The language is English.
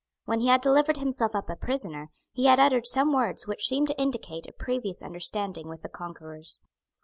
When he had delivered himself up a prisoner, he had uttered some words which seemed to indicate a previous understanding with the conquerors.